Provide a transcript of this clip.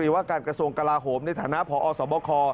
ี่ว่าการกระทรวงกราฮมในฐานะผศบค